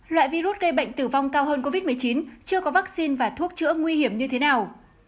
loại virus gây bệnh tử vong cao hơn covid một mươi chín chưa có vaccine và thuốc chữa nguy hiểm như thế nào